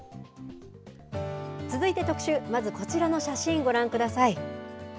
続いて特集まずこちらの写真ご覧ください。